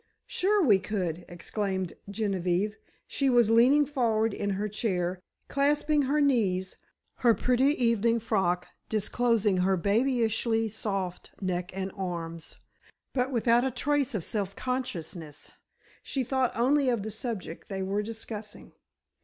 "Sure we could!" exclaimed Genevieve. She was leaning forward in her chair, clasping her knees, her pretty evening frock disclosing her babyishly soft neck and arms; but without a trace of self consciousness, she thought only of the subject they were discussing.